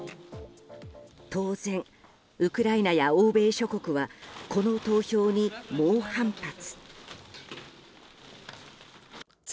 当然、ウクライナや欧米諸国はこの投票に猛反発。